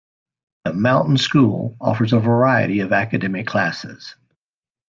The Mountain School offers a variety of academic classes.